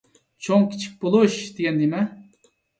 «چوڭدىن كىچىك بولۇش» دېگەن نېمە؟